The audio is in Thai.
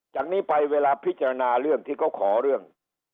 จากนี้ไปเวลาพิจารณาเรื่องที่เขาขอเรื่อง